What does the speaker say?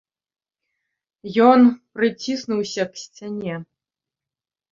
Ён прыціснуўся к сцяне.